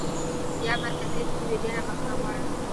بیا به تکلیف نه وي، ډېره بخښنه غواړم.